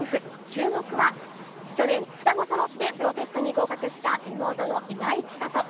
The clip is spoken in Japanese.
注目は、去年、双子そろってプロテストに合格した妹の岩井千怜。